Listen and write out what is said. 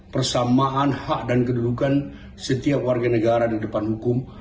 persamaan hak dan kedudukan setiap warga negara di depan hukum